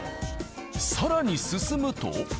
更に進むと。